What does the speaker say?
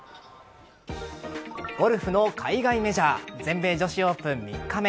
ゴルフの海外メジャー全米女子オープン３日目。